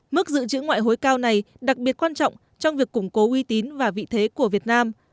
mức dự trữ ngoại hối cao này đặc biệt quan trọng trong việc củng cố uy tín và vị thế của việt nam